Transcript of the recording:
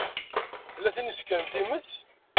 Tella tin i isekren times.